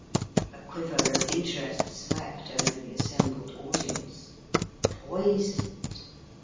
A quiver of interest swept over the assembled audience. Poisoned!